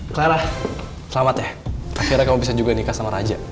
clara selamat ya akhirnya kamu bisa juga nikah sama raja